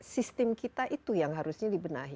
sistem kita itu yang harusnya dibenahi